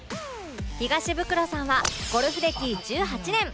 東ブクロさんはゴルフ歴１８年